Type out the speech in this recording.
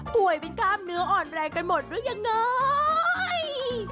ป่วยเป็นกล้ามเนื้ออ่อนแรงกันหมดหรือยังไง